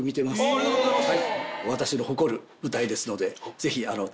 ありがとうございます。